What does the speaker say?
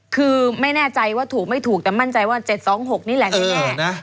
คือไม่แน่ใจว่าถูกไม่ถูกแต่มั่นใจว่า๗๒๖นี่แหละแน่